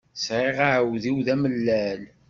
Sεiɣ aεudiw d amellal.